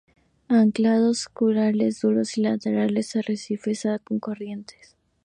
Anclados a corales duros y laderas de arrecifes con corrientes.